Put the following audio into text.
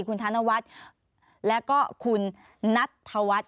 คุณธนวัฒน์แล้วก็คุณนัทธวัฒน์